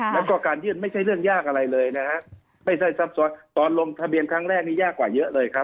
แล้วก็การยื่นไม่ใช่เรื่องยากอะไรเลยนะฮะไม่ใช่ซับซ้อนตอนลงทะเบียนครั้งแรกนี้ยากกว่าเยอะเลยครับ